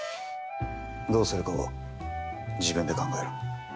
どうするかは自分で考えろ。